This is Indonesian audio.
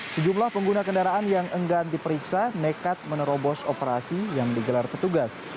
sejumlah pengguna kendaraan yang enggan diperiksa nekat menerobos operasi yang digelar petugas